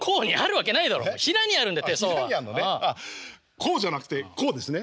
こうじゃなくてこうですね？